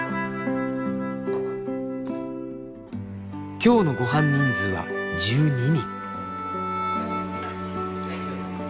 今日のごはん人数は１２人。